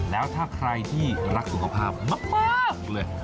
แล้วถ้าใครที่รักสุขภาพมากเลย